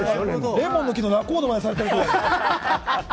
レモンの木の仲人までされてる。